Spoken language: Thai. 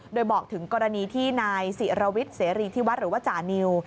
โดยบอกถึงกรณีที่นายศิรวิทย์เสรีที่วัดหรือว่าจานิว